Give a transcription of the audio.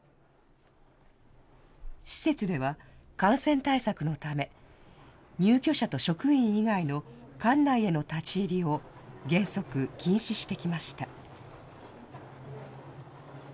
施設では、感染対策のため、入居者と職員以外の館内への立ち入りを原則、禁止してきました。